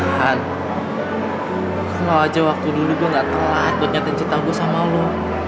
han kalau aja waktu dulu gua gak telat nyatain cinta gua sama lu